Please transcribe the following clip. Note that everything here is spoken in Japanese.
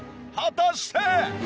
果たして！？